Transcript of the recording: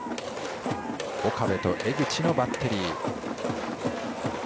岡部と江口のバッテリー。